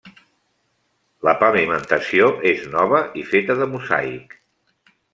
La pavimentació és nova i feta de mosaic.